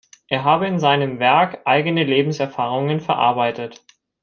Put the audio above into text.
Er habe in seinem Werk eigene Lebenserfahrungen verarbeitet.